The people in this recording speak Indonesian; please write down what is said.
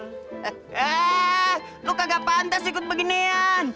eh lu kagak pantas ikut beginian